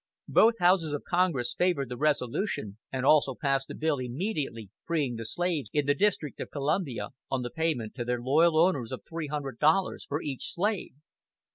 Both houses of Congress favored the resolution, and also passed a bill immediately freeing the slaves in the District of Columbia on the payment to their loyal owners of three hundred dollars for each slave.